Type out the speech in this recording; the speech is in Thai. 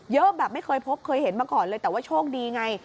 แบบไม่เคยพบเคยเห็นมาก่อนเลยแต่ว่าโชคดีไง